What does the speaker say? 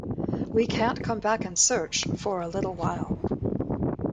We can't come back and search for a little while.